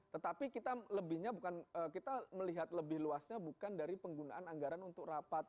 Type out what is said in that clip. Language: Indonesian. tetapi kita lebihnya bukan kita melihat lebih luasnya bukan dari penggunaan anggaran untuk rapat